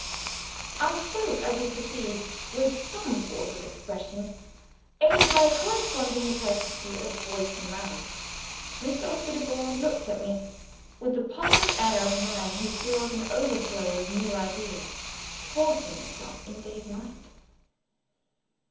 I spoke, as you perceive, with some force of expression aided by a corresponding asperity of voice and manner. Mr. Oscar Dubourg looked at me with the puzzled air of a man who feels an overflow of new ideas forcing itself into his mind.